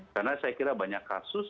karena saya kira banyak kasus